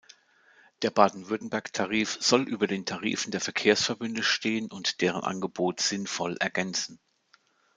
Der Baden-Württemberg-Tarif soll über den Tarifen der Verkehrsverbünde stehen und deren Angebot sinnvoll ergänzen.